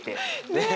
ねえ。